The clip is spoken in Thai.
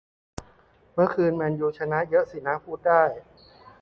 เมื่อคืนแมนยูชนะเยอะสินะ พูดได้